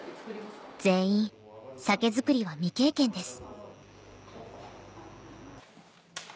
全員酒造りは未経験です